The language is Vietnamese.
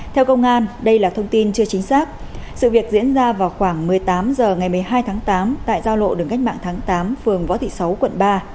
theo công an đây là thông tin chưa chính xác sự việc diễn ra vào khoảng một mươi tám h ngày một mươi hai tháng tám tại giao lộ đường cách mạng tháng tám phường võ thị sáu quận ba